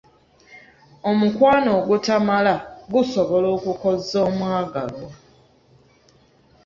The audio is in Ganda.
Omukwano ogutamala gusobola okukozza omwagalwa.